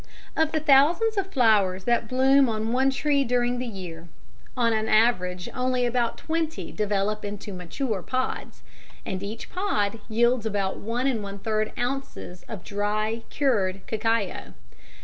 Of the thousands of flowers that bloom on one tree during the year, on an average only about twenty develop into mature pods, and each pod yields about 1 1/3 ounces of dry cured cacao.